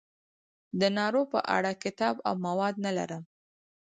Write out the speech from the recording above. د نارو په اړه کتاب او مواد نه لرم.